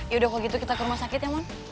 yaudah kalau gitu kita ke rumah sakit ya man